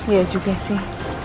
iya juga sih